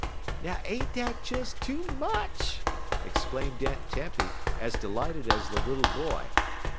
'" "Now ain't dat des too much!" exclaimed Aunt Tempy, as delighted as the little boy.